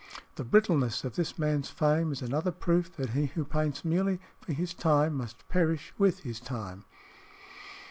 The brittleness of this man's fame is another proof that he who paints merely for his time must perish with his time.